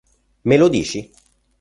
Me lo dici?